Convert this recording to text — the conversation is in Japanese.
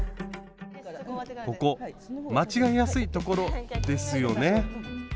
ここ間違えやすいところですよね？